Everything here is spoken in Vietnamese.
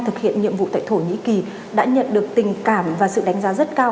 thực hiện nhiệm vụ tại thổ nhĩ kỳ đã nhận được tình cảm và sự đánh giá rất cao